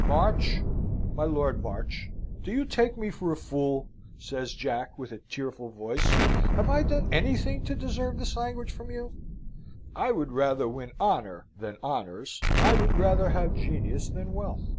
"March my Lord March, do you take me for a fool?" says Jack, with a tearful voice. "Have I done anything to deserve this language from you?" "I would rather win honour than honours: I would rather have genius than wealth.